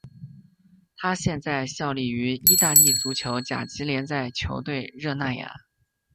他现在效力于意大利足球甲级联赛球队热那亚。